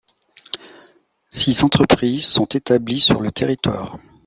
Six entreprises sont établies sur le territoire.